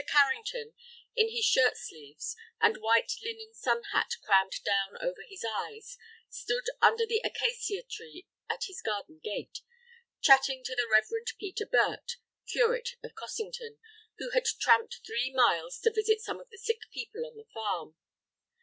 Carrington, in his shirt sleeves, and white linen sun hat crammed down over his eyes, stood under the acacia tree at his garden gate, chatting to the Reverend Peter Burt, Curate of Cossington, who had tramped three miles to visit some of the sick people on the farm.